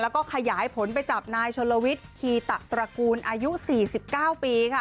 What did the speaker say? แล้วก็ขยายผลไปจับนายชนลวิทย์คีตะตระกูลอายุ๔๙ปีค่ะ